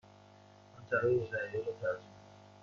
من طلای هجده عیار را ترجیح می دهم.